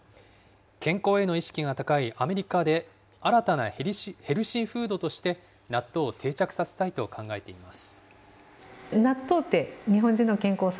健康への意識が高いアメリカで、新たなヘルシーフードとして、納豆を定着させたいと考えています。